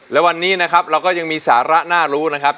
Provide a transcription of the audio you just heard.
และวันนี้นะครับเราก็ยังมีสาระน่ารู้นะครับ